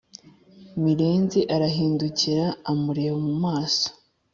mirenzi arahindukira amureba mumaso